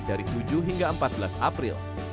dibuka dari jam tujuh hingga empat belas april